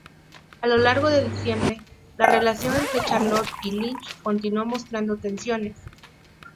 A lo largo de diciembre, la relación entre Charlotte y Lynch continuó mostrando tensiones.